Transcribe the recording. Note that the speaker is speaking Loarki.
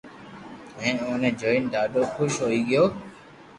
ھين اوني جوئين ڌاڌو خوݾ ھوئي گيو